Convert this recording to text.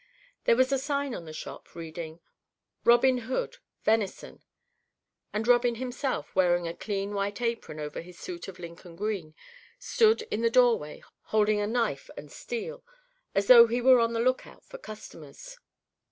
There was a sign on the shop, reading, "ROBIN HOOD: VENISON," and Robin himself, wearing a clean white apron over his suit of Lincoln green, stood in the door way, holding a knife and steel, as though he were on the lookout for customers.